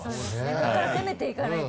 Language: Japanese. ここから攻めていかないと。